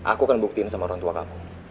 aku akan buktiin sama orang tua kamu